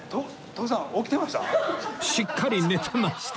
しっかり寝てました